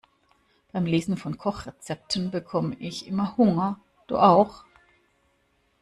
Beim Lesen von Kochrezepten bekomme ich immer Hunger, du auch?